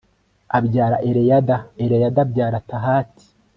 abyara eleyada eleyada abyara tahati